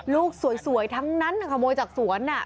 ลูกสวยทั้งนั้นขโมยจากสวน